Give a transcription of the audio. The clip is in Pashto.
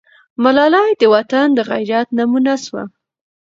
ملالۍ د وطن د غیرت نمونه سوه.